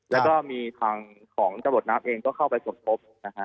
แล้วก็มีทางของจรวดน้ำเองก็เข้าไปสมทบนะฮะ